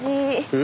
え？